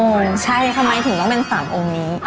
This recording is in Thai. สามองค์ใช่ทำไมถึงต้องเป็นสามองค์นี้